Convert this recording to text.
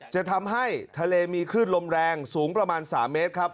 จะทำให้ทะเลมีคลื่นลมแรงสูงประมาณ๓เมตรครับ